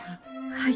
はい。